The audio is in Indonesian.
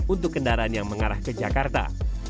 untuk kendaraan yang mengarah ke jakarta